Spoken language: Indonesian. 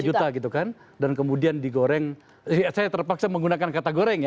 dua puluh lima juta gitu kan dan kemudian digoreng saya terpaksa menggunakan kata goreng ya